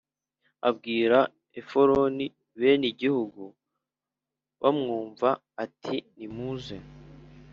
Abwira Efuroni bene igihugu bamwumva ati nimuze